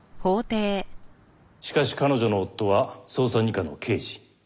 しかし彼女の夫は捜査二課の刑事。